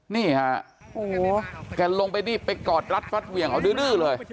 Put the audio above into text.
นี่ค่ะแกลงลงไปนี่ไปกอดรัดฟัดเวียงเอาดื้อเลย